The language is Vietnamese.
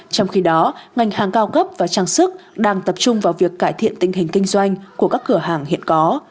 trong khi đó ngành hàng cao gấp và trang sức đang tập trung vào việc cải thiện tình hình kinh doanh của các cửa hàng hiện có